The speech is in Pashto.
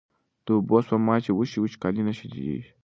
د اوبو سپما چې وشي، وچکالي نه شدېږي.